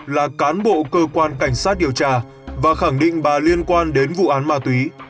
là cán bộ cơ quan cảnh sát điều tra và khẳng định bà liên quan đến vụ án ma túy